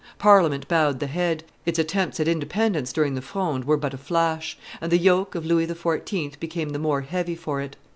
Parliament bowed the head; its attempts at independence during the Fronde were but a flash, and the yoke of Louis XIV. became the more heavy for it.